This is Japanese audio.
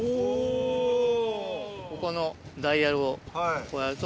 ここのダイヤルをこうやると。